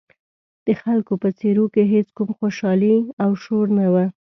د خلکو په څېرو کې هېڅ کوم خوشحالي او شور نه و.